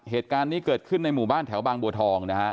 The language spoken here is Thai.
เหตุการณ์นี้เกิดขึ้นในหมู่บ้านแถวบางบัวทองนะฮะ